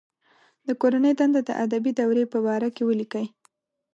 د کورنۍ دنده د ادبي دورې په باره کې ولیکئ.